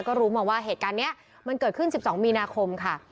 ก็รู้มาว่าเหตุการณ์นี้มันเกิดขึ้น๑๒มีนาคมค่ะ